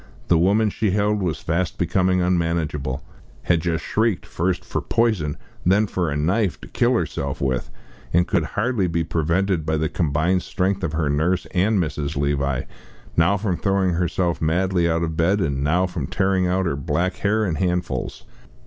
The woman she held was fast becoming unmanageable had just shrieked, first for "poison," then for a "knife," to kill herself with, and could hardly be prevented by the combined strength of her nurse and Mrs. Levi, now from throwing herself madly out of bed, and now from tearing out her black hair in handfuls.